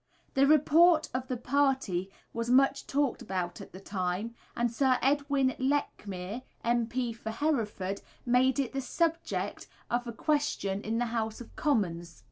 The report of the party was much talked about at the time, and Sir Edwin Lechmere, M.P. for Hereford, made it the subject of a question in the House of Commons.